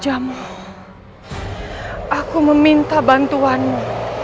aku meminta bantuanmu